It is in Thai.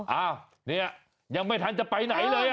อ้าวเนี่ยยังไม่ทันจะไปไหนเลย